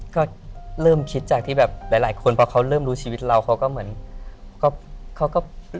ก็เริ่มคิดจากที่แบบหลายคนพอเขาเริ่มรู้ชีวิตเราเขาก็เหมือนเขาก็